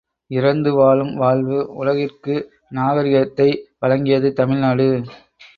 இரந்து வாழும் வாழ்வு உலகிற்கு நாகரிகத்தை வழங்கியது தமிழ்நாடு.